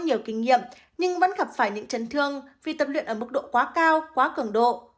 vấn đề nghiệp nhưng vẫn gặp phải những chấn thương vì tập luyện ở mức độ quá cao quá cường độ